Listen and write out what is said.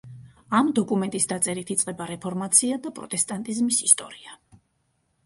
ამ დოკუმენტის დაწერით იწყება რეფორმაცია და პროტესტანტიზმის ისტორია.